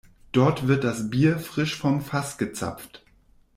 Dort wird das Bier frisch vom Fass gezapft.